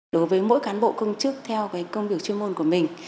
đối với mỗi cán bộ công chức theo công việc chuyên môn của mình